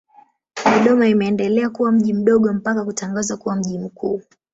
Dodoma imeendelea kuwa mji mdogo mpaka kutangazwa kuwa mji mkuu.